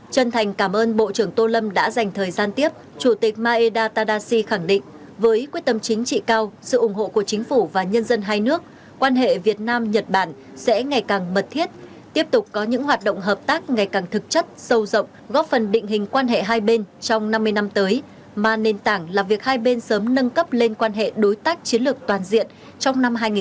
chân thành cảm ơn bộ trưởng tô lâm đã dành thời gian tiếp chủ tịch maeda tadashi khẳng định với quyết tâm chính trị cao sự ủng hộ của chính phủ và nhân dân hai nước quan hệ việt nam nhật bản sẽ ngày càng mật thiết tiếp tục có những hoạt động hợp tác ngày càng thực chất sâu rộng góp phần định hình quan hệ hai bên trong năm mươi năm tới mà nền tảng là việc hai bên sớm nâng cấp lên quan hệ đối tác chiến lược toàn diện trong năm hai nghìn hai mươi ba